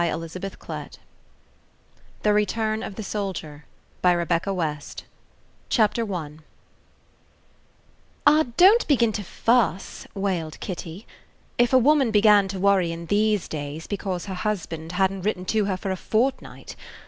176 [Page] [Page] THE RETURNOF THE SOLDIER [Page] [Page 3] CHAPTER I "AH, don't begin to fuss!" wailed Kitty. "If a woman began to worry in these days because her husband hadn't written to her for a fortnight!